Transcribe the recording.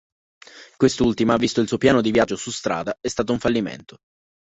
Quest'ultima ha visto il suo piano di viaggio su strada è stato un fallimento.